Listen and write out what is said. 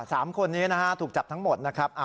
สามคนนี้นะฮะถูกจับทั้งหมดนะครับ